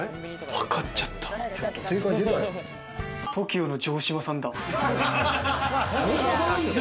わかった、ＴＯＫＩＯの城島さんだ。